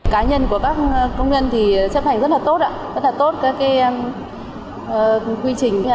cá nhân của các công nhân thì chấp hành rất là tốt rất là tốt các quy trình